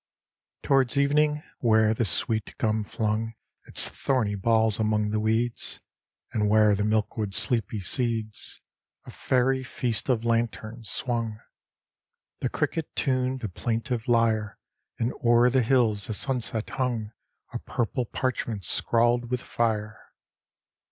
XXIX Towards evening, where the sweet gum flung Its thorny balls among the weeds, And where the milkweed's sleepy seeds, A fairy Feast of Lanterns, swung; The cricket tuned a plaintive lyre, And o'er the hills the sunset hung A purple parchment scrawled with fire.